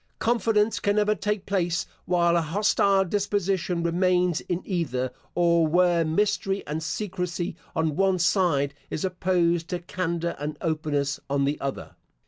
Confidence can never take place while an hostile disposition remains in either, or where mystery and secrecy on one side is opposed to candour and openness on the other.